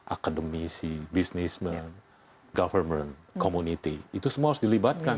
akademisi businessment government community itu semua harus dilibatkan